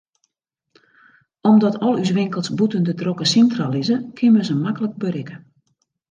Omdat al ús winkels bûten de drokke sintra lizze, kin men se maklik berikke.